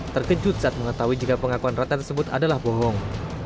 terkejut saat mengetahui jika pengakuan ratna tersebut adalah bohong